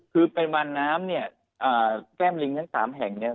คือปริมาณน้ำเนี่ยแก้มลิงทั้ง๓แห่งเนี่ย